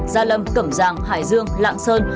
gia lâm cẩm giàng hải dương lạng sơn